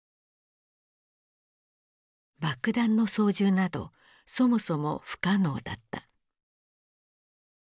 爆弾の操縦などそもそも不可能だった。